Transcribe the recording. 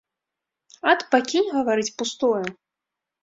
Ат, пакінь гаварыць пустое.